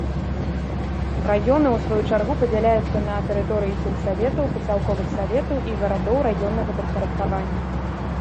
Раёны ў сваю чаргу падзяляюцца на тэрыторыі сельсаветаў, пасялковых саветаў і гарадоў раённага падпарадкавання.